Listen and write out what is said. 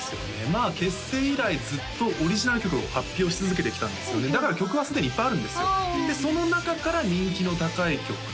まあ結成以来ずっとオリジナル曲を発表し続けてきたんですよねだから曲はすでにいっぱいあるんですよでその中から人気の高い曲